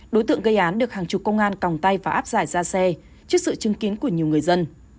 đối tượng gây án được hàng chục công an còng tay và áp giải ra xe trước sự chứng kiến của nhiều người dân